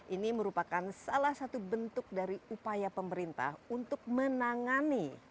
ini merupakan salah satu bentuk dari upaya pemerintah untuk menangani